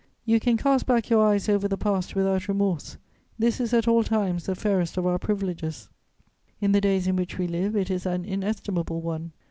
You can cast back your eyes over the past without remorse: this is, at all times, the fairest of our privileges; in the days in which we live, it is an inestimable one.